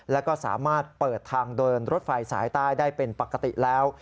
แล้วก็สามารถเปิดทางเดินรถไฟสายใต้ได้เป็นปกติแล้ว